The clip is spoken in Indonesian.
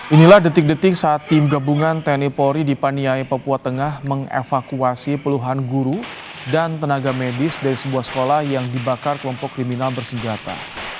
inilah detik detik saat tim gabungan tni polri di paniai papua tengah mengevakuasi puluhan guru dan tenaga medis dari sebuah sekolah yang dibakar kelompok kriminal bersenjata